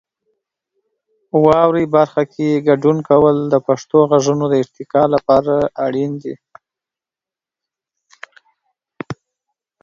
واورئ برخه کې ګډون کول د پښتو غږونو د ارتقا لپاره اړین دی.